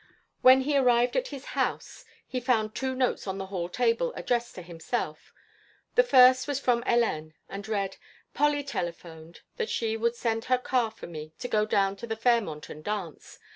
When he arrived at his house he found two notes on the hall table addressed to himself. The first was from Hélène and read: "Polly telephoned that she would send her car for me to go down to the Fairmont and dance.